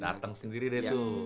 dateng sendiri deh tuh